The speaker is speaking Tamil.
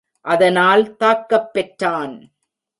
அதனால் தாக்கப் பெற்றான்.